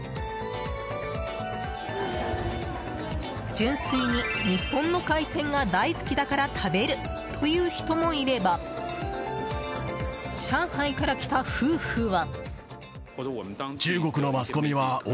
純粋に日本の海鮮が大好きだから食べるという人もいれば上海から来た夫婦は。